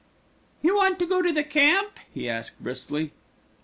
"You want to go to the Camp?" he asked briskly.